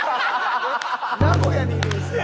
名古屋にいるんすか。